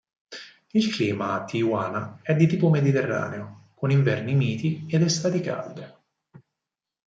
Il clima a Tijuana è di tipo mediterraneo, con inverni miti ed estati calde.